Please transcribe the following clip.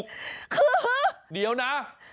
คือเดี๋ยวนะ